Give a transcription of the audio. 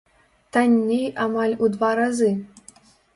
Танней амаль у два разы!